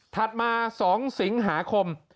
ถัดมา๒สิงหาคม